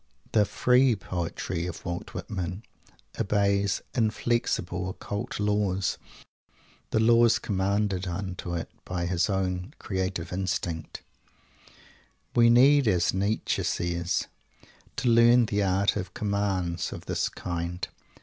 The "free" poetry of Walt Whitman obeys inflexible, occult laws, the laws commanded unto it by his own creative instinct. We need, as Nietzsche says, to learn the art of "commands" of this kind!